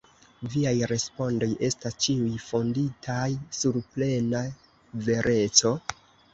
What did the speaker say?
Viaj respondoj estas ĉiuj fonditaj sur plena vereco?